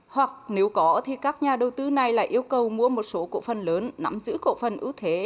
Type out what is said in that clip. hoặc nếu có thì các nhà đầu tư này lại yêu cầu mua một số cổ phần lớn nắm giữ cổ phần ưu thế